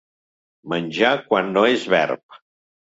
Menjar quan no és verb.